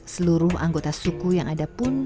seluruh anggota suku yang ada pun